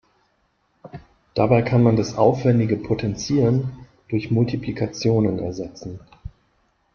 Dabei kann man das aufwändige Potenzieren durch Multiplikationen ersetzen.